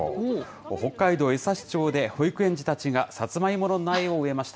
北海道江差町で、保育園児たちがさつまいもの苗を植えました。